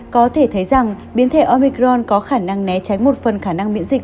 có thể thấy rằng biến thể obicron có khả năng né tránh một phần khả năng miễn dịch